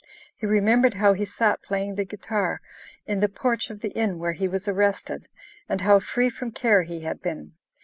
He remembered how he sat playing the guitar in the porch of the inn where he was arrested, and how free from care he had been.